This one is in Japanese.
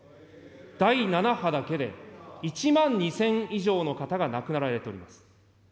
第７波だけで、１万２０００以上の方が亡くなられています。